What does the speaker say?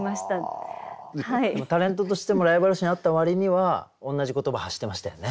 タレントとしてもライバル心あった割には同じ言葉発してましたよね。